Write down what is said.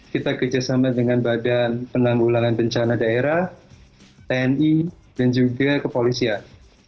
kita kerjasama dengan badan penanggulangan bencana daerah tni dan juga kepolisian